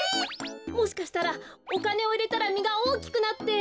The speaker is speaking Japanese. もしかしたらおかねをいれたらみがおおきくなって。